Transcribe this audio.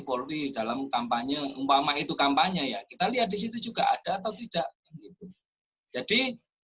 polri dalam kampanye umpama itu kampanye ya kita lihat disitu juga ada atau tidak jadi